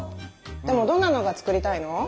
でもどんなのが作りたいの？